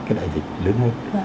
cái đại dịch lớn hơn